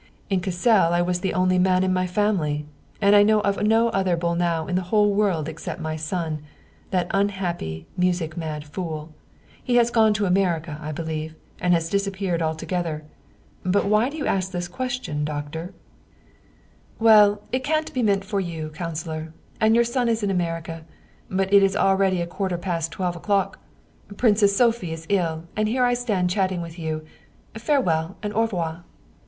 In Cassel I was the only man in my family. And I know of no other Bolnau in the whole world except my son, that unhappy music mad fool. He has gone to America, I believe, and has disappeared altogether. But why do you ask this question, doctor ?" 90 Wilhelm Hauff " Well, it can't be meant for you, councilor, and your son is in America ; but it is already a quarter past twelve o'clock ! Princess Sophie is ill, and here I stand chatting with you. Farewell and au revoir